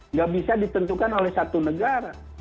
nggak bisa ditentukan oleh satu negara